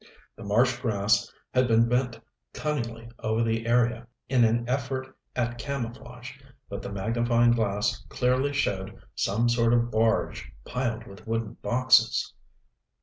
The marsh grass had been bent cunningly over the area in an effort at camouflage, but the magnifying glass clearly showed some sort of barge piled with wooden boxes!